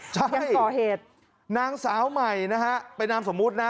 ใช่ก่อเหตุนางสาวใหม่นะฮะเป็นนามสมมุตินะ